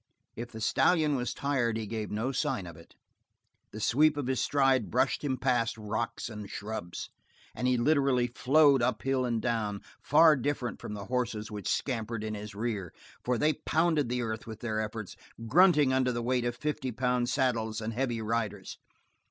If the stallion were tired, he gave no sign of it. The sweep of his stride brushed him past rocks and shrubs, and he literally flowed uphill and down, far different from the horses which scampered in his rear, for they pounded the earth with their efforts, grunting under the weight of fifty pound saddles and heavy riders.